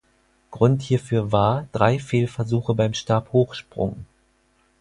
Grund hierfür war drei Fehlversuche beim Stabhochsprung.